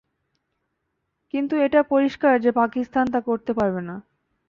কিন্তু এটা পরিষ্কার যে পাকিস্তান তা করতে পারবে না।